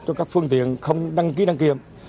cho các phương tiện không đăng ký đăng kiểm